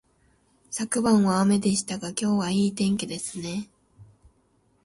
昨晩は雨でしたが、今日はいい天気ですね